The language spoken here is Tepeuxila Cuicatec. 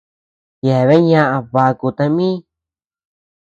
Yeabean ñaʼa baku tami.